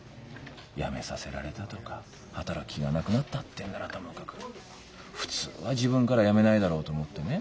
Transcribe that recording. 辞めさせられたとか働く気がなくなったっていうんならともかく普通は自分から辞めないだろうと思ってね。